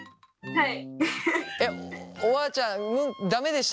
はい。